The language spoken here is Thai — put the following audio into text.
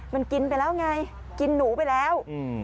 มันกินไปแล้วไงกินหนูไปแล้ว